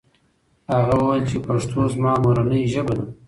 هغه وویل چې پښتو زما مورنۍ ژبه ده.